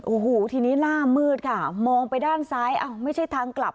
โอ้โหทีนี้ล่ามืดค่ะมองไปด้านซ้ายอ้าวไม่ใช่ทางกลับ